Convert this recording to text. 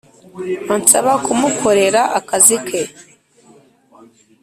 Ansaba kumukorera akazi ke